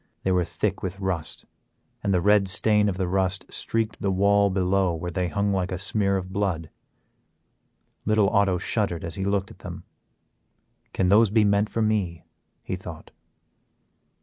They were thick with rust, and the red stain of the rust streaked the wall below where they hung like a smear of blood. Little Otto shuddered as he looked at them; can those be meant for me, he thought.